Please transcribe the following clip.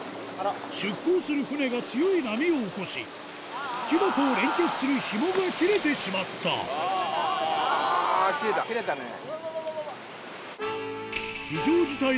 出航する船が強い波を起こし木箱を連結するひもが切れてしまったえぇ！